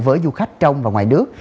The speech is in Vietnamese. với du khách trong và ngoài nước